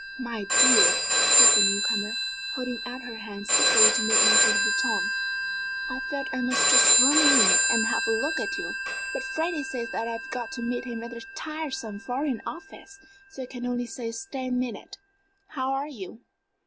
"My dear," said the new comer, holding out her hands eagerly to Mademoiselle Le Breton, "I felt I must just run in and have a look at you. But Freddie says that I've got to meet him at that tiresome Foreign Office! So I can only stay ten minutes. How are you?"